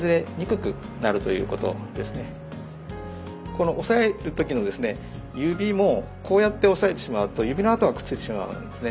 この押さえる時の指もこうやって押さえてしまうと指の跡がくっついてしまうんですね。